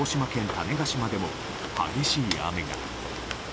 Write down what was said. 種子島でも激しい雨が。